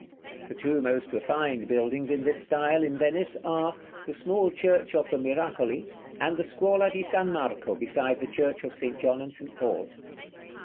The two most refined buildings in this style in Venice are, the small Church of the Miracoli, and the Scuola di San Marco beside the Church of St. John and St. Paul.